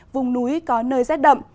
vùng núi có nơi rét đậm